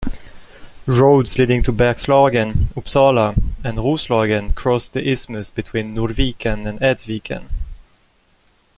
Roads leading to Bergslagen, Uppsala, and Roslagen crossed the isthmus between Norrviken and Edsviken.